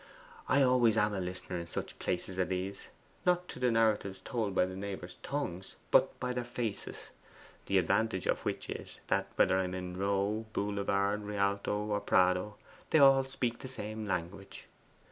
I always am a listener in such places as these not to the narratives told by my neighbours' tongues, but by their faces the advantage of which is, that whether I am in Row, Boulevard, Rialto, or Prado, they all speak the same language.